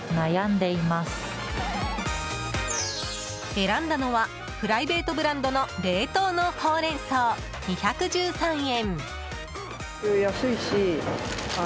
選んだのはプライベートブランドの冷凍のホウレンソウ、２１３円。